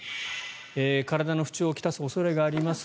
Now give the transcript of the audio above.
体の不調を来す恐れがあります。